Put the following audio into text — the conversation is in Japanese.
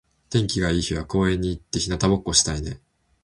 天気が良い日は公園に行って日向ぼっこしたいね。